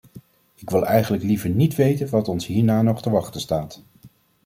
Ik wil eigenlijk liever niet weten wat ons hierna nog te wachten staat.